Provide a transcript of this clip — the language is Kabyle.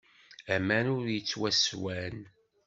Aman ur yettwasswan.